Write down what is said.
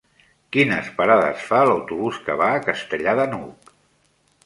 Quines parades fa l'autobús que va a Castellar de n'Hug?